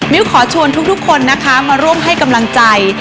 ขอชวนทุกคนนะคะมาร่วมให้กำลังใจ